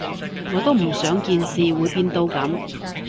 我都唔想件事會變到噉